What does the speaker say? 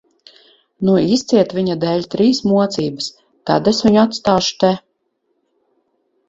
Nu, izciet viņa dēļ trīs mocības, tad es viņu atstāšu te.